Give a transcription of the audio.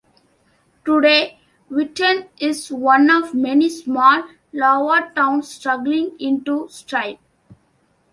Today, Whitten is one of many small Iowa towns struggling to survive.